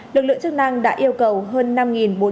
lực lượng chức năng đã yêu cầu